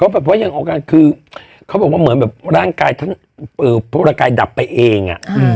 แบบว่ายังออกอาการคือเขาบอกว่าเหมือนแบบร่างกายท่านพวกร่างกายดับไปเอง